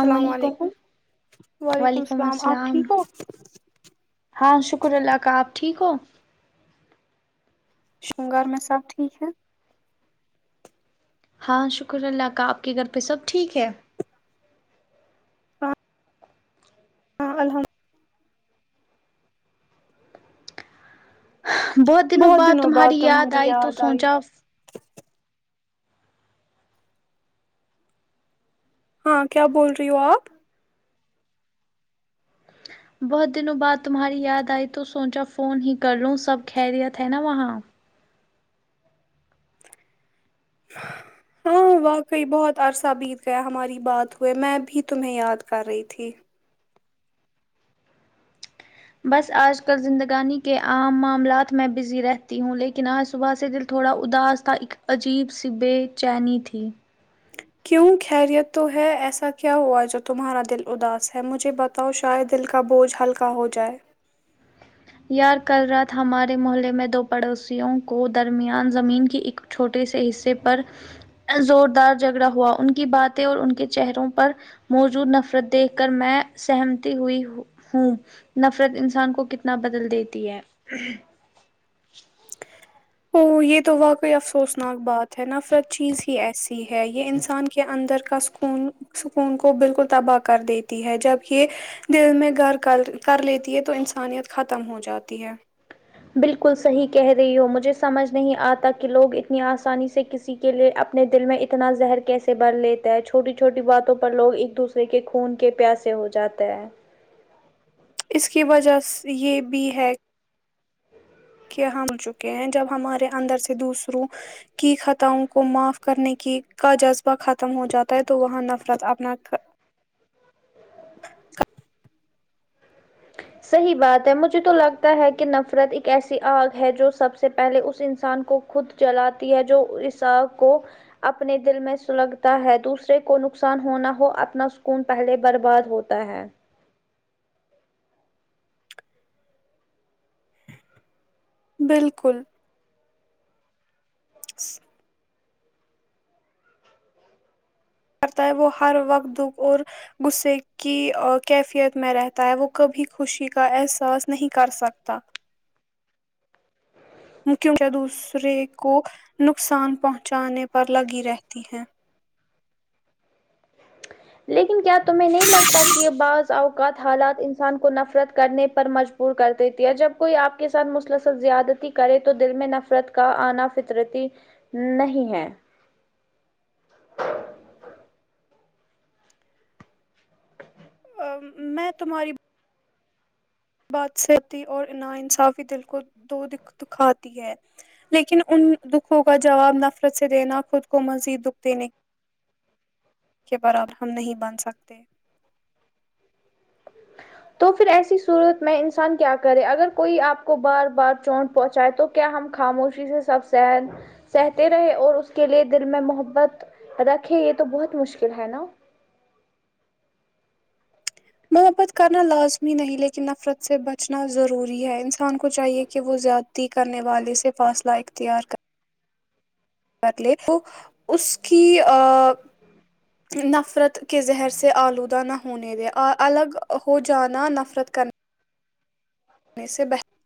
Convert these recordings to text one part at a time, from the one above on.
السلام علیکم وعلیکم آپ السلام ٹھیک ہو ہاں شکر اللہ کا آپ ٹھیک ہو شنگر میں سب ٹھیک ہے ہاں شکر اللہ کا آپ کے گھر پہ سب ٹھیک ہے ہاں ہاں الحمد بہت دنوں بعد تمہاری یاد آئی تو سوچا ہاں کیا بول رہی ہو آپ بہت دنوں بعد تمہاری یاد آئی تو سوچا فون ہی کر لوں سب خیریت ہے نا وہاں [inaudible] ہاں واقعی بہت عرصہ بیت گیا ہماری بات ہوئے میں بھی تمہیں یاد کر رہی تھی بس آج کل زندگانی کے عام معاملات میں بزی رہتی ہوں لیکن آج صبح سے دل تھوڑا اداس تھا ایک عجیب سی بے چینی تھی کیوں خیریت تو ہے ایسا کیا ہوا جو تمہارا دل اداس ہے مجھے بتا تو شاید دل کا بوجھ ہلکا ہو جائے یار کل رات ہمارے محلے میں دو پڑوسیوں کو درمیان زمین کی اک چھوٹے سے حصے پر زوردار جھگڑا ہوا ان کی باتیں اور ان کے چہروں پر موجود نفرت دیکھ کر میں سہمتی ہوئی ہوں نفرت انسان کو کتنا تنا بدل دیتی ہے او یہ تو واقعی افسوسناک بات ہے نفرت چیز ہی یہ ایسی ہے یہ انسان کے اندر کا سکون سکون کو بالکل تباہ کر دیتی ہے جب یہ دل میں گھر کر کر لیتی ہے تو انسانیت ختم ہو جاتی ہے بالکل صحیح کہہ رہی ہو مجھے سمجھ نہیں آتا کہ لوگ اتنی آسانی سے کسی کے لیے اپنے دل میں اتنا زہر کیسے بڑ لیتا ہے چوٹی چھوٹی باتوں پر لوگ ایک دوسرے رے کہ خون کے پیاسے ہو جاتے ہیں اس کی وجہ سے یہ بھی ہے کہ ہم چکے ہیں جب ہمارے اندر سے دوسروں کی خطاوں کو معاف کرنے کی کا جذبہ ختم ہو جاتا ہے تو وہاں نفرت اپنا صحیح بات ہے مجھے تو لگتا ہے کہ نفرت ایک ایسی آگ ہے جو سب سے پہلے اس انسان کو خود جلاتی ہے جو اس آگ کو اپنے دل میں سلگتا ہے دوسرے کو نقصان ہونا ہو اپنا سکون پہلے برباد ہو تا ہے بالکل سس کرتا ہے وہ ہر وقت دکھ اور غصے کی کیفیت میں رہتا ہے وہ کبھی خوشی کا احساس نہیں کر سکتا کونکہ دوسرے کو نقصان پہنچانے پر لگی رہتی ہیں لیکن کیا تمہیں نہیں لگتا کہ یہ بعض اوقات حالات انسان کو نفرت کرنے پر مج بور کر دیتی ہے جب کوئی آپ کے ساتھ مسلسل زیادتی کرے تو دل میں نفرت کا آنا فطرتی نہیں ہے میں تمہاری بات سہتی اور نا انصافی دل کو دو دکھ دکھاتی ہے لیکن ان دکھوں کا جواب نفرت سے دینا خود کو مزید دکھ دینے کے برابر ہم نہیں بن سکتے تو پھر ایسی صورت میں انسان کیا کرے اگر کوئی آپ کو بار بار چونٹ پہنچائے تو کیا ہم خاموشی سے سب سہتے رہے اور اس کے لیے دل میں محبت رکھے یہ تو بہت مشکل ہے نا محبت کرنا لازمی نہیں لیکن نفرت سے بچنا ضروری ہے انسان کو چاہیے کہ وہ زیادتی کرنے والے سے فاصلہ اختیار کر لے تو اس کی نفرت کے زہر سے آلودہ نہ ہونے دے الگ ہو جانا نفرت کر نے سے بہتر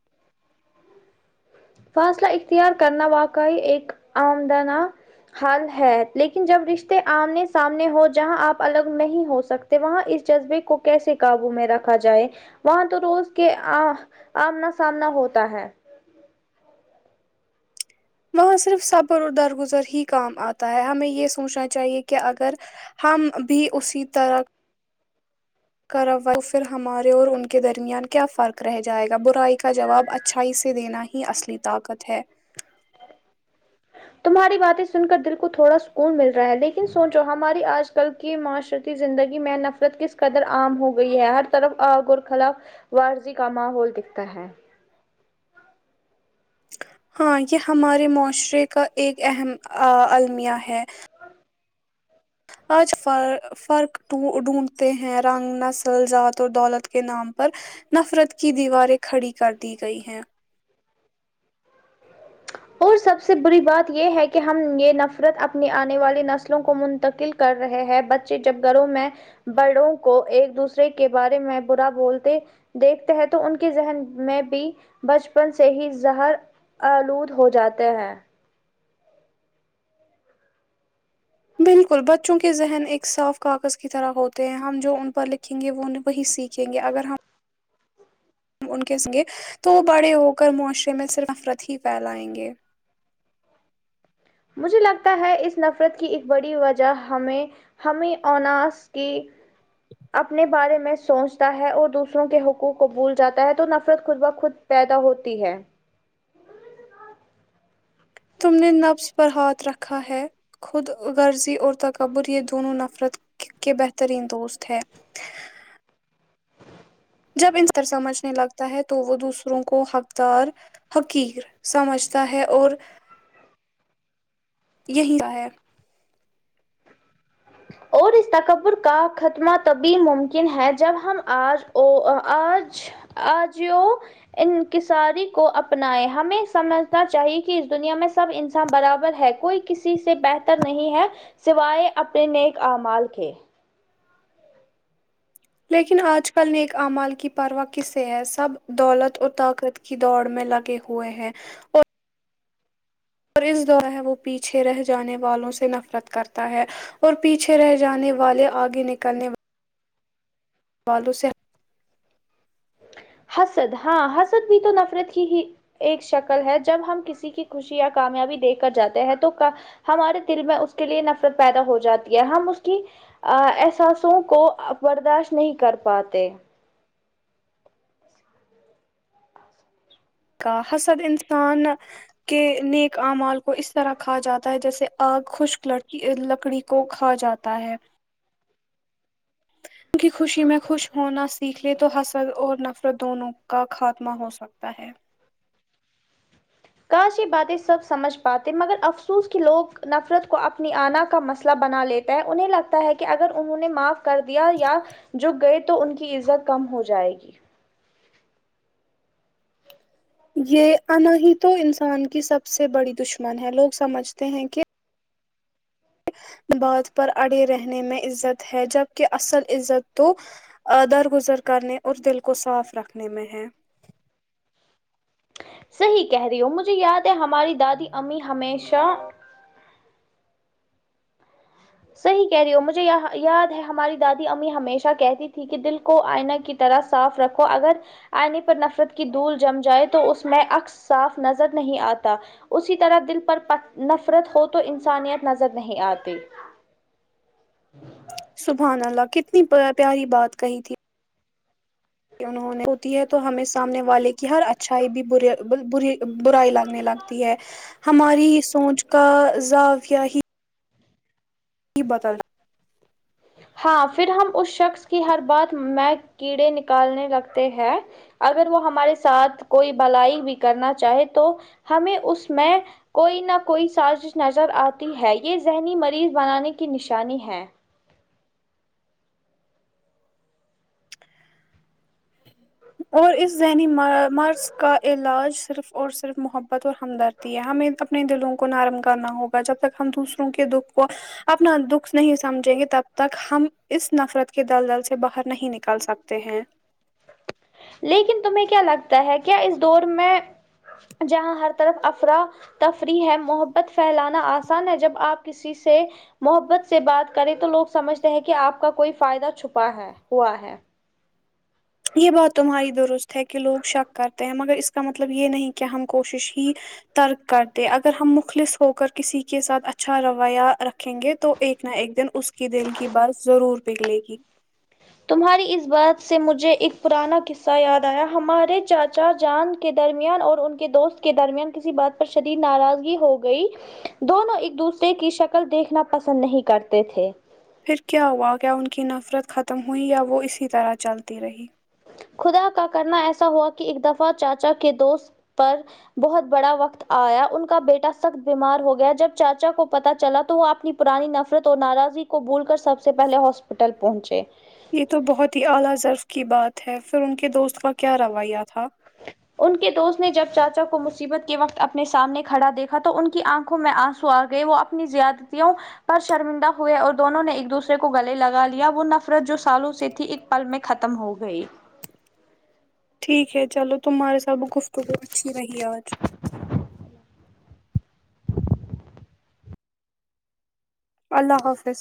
فاصلہ اختیار کرنا واقعی ایک آمدنا حال ہے لیکن جب رشتے آمنے سامنے ہو جہاں آپ الگ نہیں ہو سکتے وہاں اس جذبے کو کیسے قابو میں رکھا جائے وہاں تو روز کے آ آمنا سامنا ہوتا ہے وہاں صرف صبر و درگزر ہی کام آتا ہے ہمیں یہ سوچنا چاہیے کہ اگر ہم بھی اسی طرح کر پھر ہمارے اور ان کے درمیان کیا فرق رہ جائے گا برائی کا جواب اچھا اچھائی سے دینا ہی اصلی طاقت ہے تمہاری باتیں سن کر دل کو تھوڑا سکون مل رہا ہے لیکن سونچو ہماری آج کل کی معاشرتی زندگی میں نفرت کس قدر عام ہو گئی ہے ہر طرف آگ اور خلا ورضی کا ماحول دکھتا ہے ہاں یہ ہمارے معاشرے کا ایک اہم المیہ ہے آج فر فرق ڈھونڈتے ہیں رنگ نسل ذات اور دولت کے نام پر نفرت کی دیواریں کھڑی کر دی گئی ہیں اور سب سے بری بات یہ ہے کہ ہم یہ نفرت اپنی آنے والی نسلوں کو منتقل کر رہے ہیں بچے جب گھروں میں بڑوں کو ایک دوسرے کے بارے میں برا بولتے دیکھتے ہیں تو ان کے ذہن میں بھی بچپن سے ہی زہر آلود ہو جاتے ہیں بالکل بچوں کے ذہن ایک صاف کاغذ کی طرح ہوتے ہیں ہم جو ان پر لکھیں گے وہ وہی سیکھ یں گے اگر ہم ان کے سنگے تو وہ بڑے ہو کر معاشرے میں صرف نفرت ہی پھیلائیں گے مجھے لگتا ہے اس نفرت کی ایک بڑی وجہ ہمیں ہمیں اس کے اپنے بارے میں سوچتا ہے اور دوسروں کے حقوق کو بھول جاتا ہے تو نفرت خود ب خود پیدا ہوتی ہے تم نے نبس پر ہاتھ رکھا ہے خود غرضی اور تکبر یہ دونوں نفرت کہ بہترین دوست ہے جب انسا انر سمجھنے لگتا ہے تو وہ دوسروں کو حقدار حقییر سمجتا ہے اور یہی کا ہے اور اس تکبر کا ختمہ تبھی ممکن ہے جب ہم آج او آج آجی ا انکساری کو اپنائے ہمیں سمجھنا چاہیے کہ اس دنیا میں سب انسان برابر ہے کوئی کسی سے بہتر نہیں ہے سوائے اپنے نیک اعمال کے لیکن آج کل نیک اعمال کی پرواہ کسے ہے سب دولت اور طاقت کی دوڑ میں لگے ہوئے ہیں اور اور اس دور ہے وہ پیچھے رہ جانے والوں سے نفرت کرتا ہے اور پیچھے رہ جانے والے آگے نکلنے وا والوں سے حسد ہاں حسد بھی تو نفرت کی ہی ایک شکل ہے جب ہم کسی کی خوشی یا کامیابی دے کر جاتے ہیں تو ہمارے دل میں اس کے لیے نفرت پیدا ہو جاتی ہے ہم اس کی احساسوں کو برداشت نہیں کر پاتے کا حسد انسان کے نیک اعمال کو اس طرح کھا جاتا ہے جیسے آگ خشک لکی لکڑی کو کھا جاتا تا ہے کی خوشی میں خوش ہونا سیکھ لے تو حسر اور نفرت دونوں کا خاتمہ ہو سک تا ہے کاشی باتیں سب سمجھ پاتے مگر افسوس کہ لوگ نفرت کو اپنی آنا کا مسئلہ بنا لیتے ہے انہیں لگتا ہے کہ اگر انہوں نے معاف کر دیا یا جو گئے تو ان کی ازت کم ہو جائے گی یہ انا ہیی تو انسان کی سب سے بڑی دشمن ہے لوگ سمجھتے ہیں کہ بات پر اڑے رہنے میں عزت ہے جبک اصل عزت تو ا درگزر کرنے اور دل کو صاف رکھنے میں ہے صحیح کہہ رہی ہو مجھے یاد ہے ہماری دادی امی ہمیشہ صحیح کہہ رہی ہو مجھے یہ یاد ہے ہماری دادی امی ہمیشہ کہتی تھی کہ دل کو آئناہ کی طرح صاف رکھو اگر آئینے پر نفرت کی دھول جم جائے تو اس میں اکس صاف نظر نہیں آتا اسی طرح دل پر پٹ نفرت ہو تو انسانیت نظر نہیں آتی ہ سبحان اللہ کتنی پیاری بات کہی تھی انہوں نے ہوتی ہے تو ہمیں سامنے والے کی ہر اچھائی بھی ب بری برائی لگنے لگ تی ہے ہماری سوچ کا زافیہ ہی ج بتا ہاں پھر ہم اس شخص کی ہر بات میں کیڑے نکالنے لگتے ہیں اگر وہ ہمارے ساتھ کوئی بھلائی بھی کرنا چاہے تو ہمیں اس میں کوئی نہ کوئی سازش نظر آتی ہے یہ ذہنی مریض بنانے کی نشانی ہے اور اس ذہنی م مرض کا علاج صرف اور صرف محبت اور ہمدرد ہمیں اپنے دلوں کو نرم کرنا ہوگا جب تک ہم دوسروں کے دکھ کو اپنا دکھ نہیں سمجھیں گے تب تک ہم اس نفرت کے دل دل سے باہر نہیں نکل سک تے ہیں لیکن تمہیں کیا لگتا ہے کیا اس دور میں جہاں ہر طرف افرا تفریح ہے محبت پھیلانا آسان ہے جب آپ کسی سے محبت سے بات کریں تو لوگ سمجھتے ہیں کہ آپ کا کوئی فائدہ چھپا ہے ہوا ہے یہ بات تمہاری درست ہے کہ لوگ شک کرتے ہیں مگر اس کا مطلب یہ نہیں کہ ہم کوشش ہی ترک کرتےاگر ہم مخلص ہو کر کسی کے ساتھ اچھا رویہ رکھیں گے تو ایک نا ایک دن اس کی دل کی بات ضرور پگھلے گی تمہاری اس بات سے مجھے ایک پرانا قصہ یاد آیا ہمارے چاچا جان کے درمیان اور ان کے دوست کے درمیان کسی بات پر شدید ناراضگی ہو گئی دونوں ایک دوسرے کی شکل دیکھنا پسند نہیں کرتے تھے پھر کیا ہوا کیا ان کی نفرت ختم ہوئی یا وہ اسی طرح چلتی رہی خدا کا کرنا ایسا ہوا کہ ایک دفعہ چاچا کے دوست پر بہت بڑا وقت آیا ان کا بیٹا سخت بیمار ہو گیا جب چاچا کو پتا چلا تو وہ اپنی پرانی نفرت اور ناراضی کو بھول کر سب سے پہلے ہاسپٹل پہنچے یہ تو بہت ہی اعلی‌ضرف کی بات ہے پھر ان کے دوست کا کیا رویہ تھا ان کے دوست نے جب چاچا کو مصیبت کے وقت اپنے سامنے کھڑا دیکھا تو ان کی آنکھوں میں آنسو آ گئے وہ اپنی زیادتیوں پر شرمندہ ہوئے اور دونوں نے ایک دوسرے کو گلے لگا لیا وہ نفرت جو سالوں سے تھی‌ایک پل میں ختم ہو گئی ٹھیک ہے چلو تمہارے ساتھ گفتگو اچھی رہی ہے آج اللہ حافظ